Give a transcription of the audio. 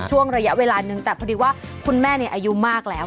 ช่วงระยะเวลานึงแต่พอดีว่าคุณแม่อายุมากแล้ว